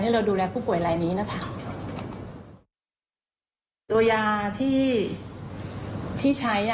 เราก็เลยประสานให้พรุ่งไข้ได้กลับบ้านค่ะ